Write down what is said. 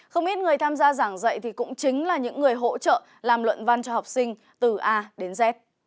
không ít người tham gia giảng dạy thì cũng chính là những người hỗ trợ làm luận văn cho học sinh từ a đến z